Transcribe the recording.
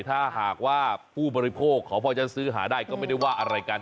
ถ้าหากว่าผู้บริโภคเขาพอจะซื้อหาได้ก็ไม่ได้ว่าอะไรกัน